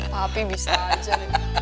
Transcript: papi bisa aja